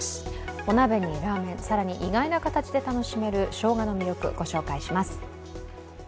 お鍋にラーメン、更に意外な形で楽しめるしょうがの魅力、ご紹介します。